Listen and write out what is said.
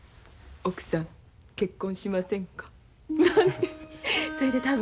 「奥さん結婚しませんか」なんて。